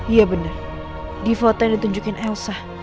iya benar di foto yang ditunjukin elsa